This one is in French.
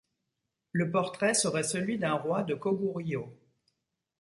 Le portrait serait celui d'un roi de Koguryo.